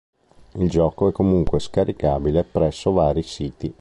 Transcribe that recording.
Il gioco è comunque scaricabile presso vari siti.